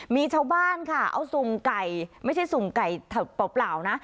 มีชาวบ้านค่ะเอาสุ่มไก่ไม่ใช่สุ่มไก่เปล่านะ